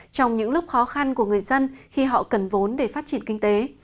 trong những lúc khó khăn của người dân khi họ cần vốn để phát triển kinh tế